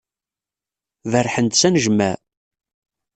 Berrḥen-d s anejmaɛ.